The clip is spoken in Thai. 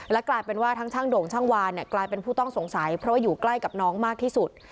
กลายเป็นว่าทั้งช่างโด่งช่างวานกลายเป็นผู้ต้องสงสัยเพราะว่าอยู่ใกล้กับน้องมากที่สุด